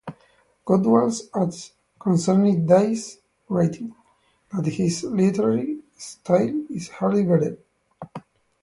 Gotwals adds, concerning Dies's writing, that his literary style is hardly better.